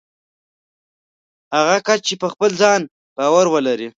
هغه کس چې په خپل ځان باور ولري